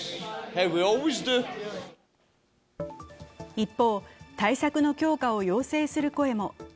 一方、対策の強化を要請する声も。